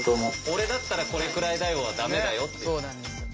「俺だったらこれくらいだよ」は駄目だよって。